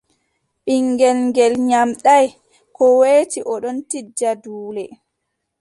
Ɓiŋngel ngeel nyamɗaay, ko weeti o ɗon tijja duule.